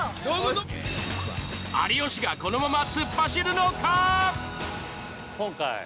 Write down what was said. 有吉がこのまま突っ走るのか！？